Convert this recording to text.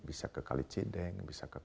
bisa ke kali cideng